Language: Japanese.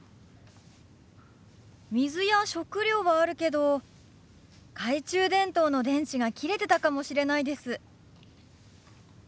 水や食料はあるけど懐中電灯の電池が切れてたかもしれないです。